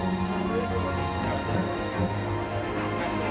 ก็ยังมีปัญหาราคาเข้าเปลือกก็ยังลดต่ำลง